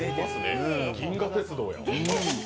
「銀河鉄道」や。